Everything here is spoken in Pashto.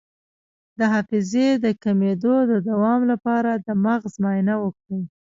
د حافظې د کمیدو د دوام لپاره د مغز معاینه وکړئ